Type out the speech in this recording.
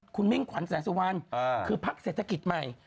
คุณมิ่งขวัญแสงสุวรรณคือพักเศรษฐกิจใหม่